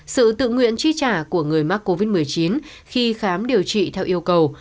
sự tự nguyện chi trả của người mắc covid một mươi chín khi khám điều trị theo yêu cầu